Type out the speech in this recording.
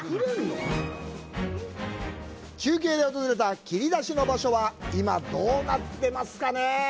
中継で訪れた切り出しの場所は今、どうなってますかねえ。